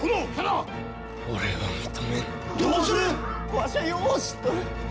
わしはよう知っとる！